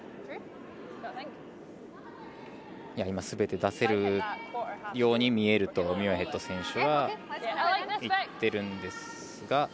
すべて出せるように見えるとミュアヘッド選手は言ってるんですが。